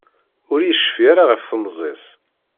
Ur yecfi ara ɣef temẓi-s.